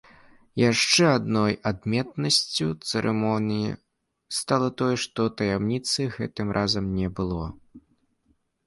Яшчэ адной адметнасцю цырымоніі стала тое, што таямніцы гэтым разам не было.